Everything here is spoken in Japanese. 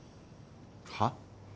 はっ？